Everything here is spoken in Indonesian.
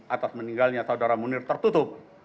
atas meninggalnya saudara munir tertutup